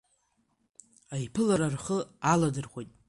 Аиԥылара рхы аладырхәит…